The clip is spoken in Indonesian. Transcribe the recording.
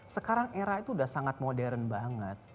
sekarang era itu sudah sangat modern banget